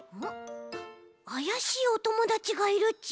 あやしいおともだちがいるち。